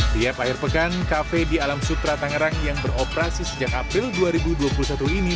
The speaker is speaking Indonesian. tiap akhir pekan kafe di alam sutra tangerang yang beroperasi sejak april dua ribu dua puluh satu ini